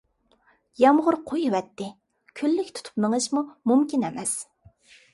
يامغۇر قۇيۇۋەتتى، كۈنلۈك تۇتۇپ مېڭىشمۇ مۇمكىن ئەمەس.